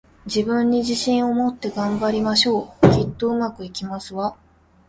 自分に自信を持って、頑張りましょう！きっと、上手くいきますわ